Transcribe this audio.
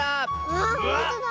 わあほんとだ。